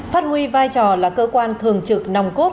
phát huy vai trò là cơ quan thường trực nòng cốt